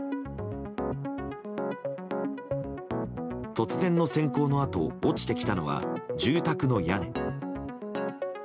突然の閃光のあと落ちてきたのは住宅の屋根。